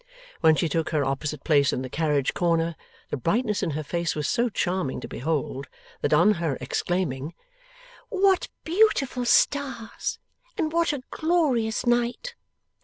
When she took her opposite place in the carriage corner, the brightness in her face was so charming to behold, that on her exclaiming, 'What beautiful stars and what a glorious night!